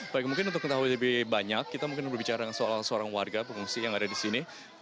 baik mungkin untuk mengetahui lebih banyak kita mungkin berbicara soal seorang warga pengungsi yang ada di sini